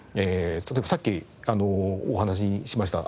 さっきお話ししました